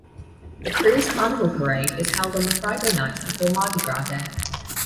The krewe's Carnival parade is held on the Friday night before Mardi Gras Day.